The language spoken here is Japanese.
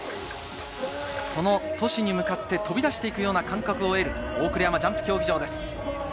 その都市に向かって飛び出していくような感覚を得る大倉山ジャンプ競技場です。